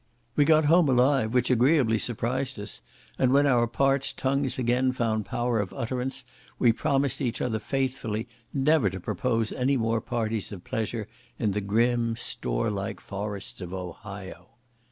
We got home alive, which agreeably surprised us; and when our parched tongues again found power of utterance, we promised each other faithfully never to propose any more parties of pleasure in the grim store like forests of Ohio.